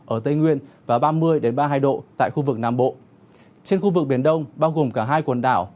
ở tây nguyên và ba mươi ba mươi hai độ tại khu vực nam bộ trên khu vực biển đông bao gồm cả hai quần đảo